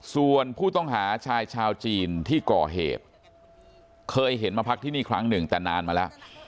ส่วนผู้ต้องหาชายชาวจีนที่ก่อเหตุเคยเห็นมาพักที่นี่ครั้งหนึ่งแต่นานมาแล้ว